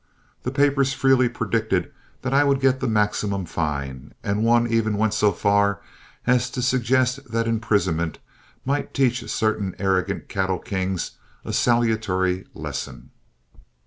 The papers freely predicted that I would get the maximum fine, and one even went so far as to suggest that imprisonment might teach certain arrogant cattle kings a salutary lesson.